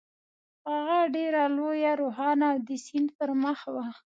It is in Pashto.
هغه ډېره لویه، روښانه او د سیند پر مخ وه.